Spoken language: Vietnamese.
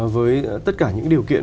với tất cả những điều kiện